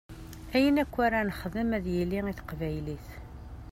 Ayen akk ara nexdem ad yili i teqbaylit.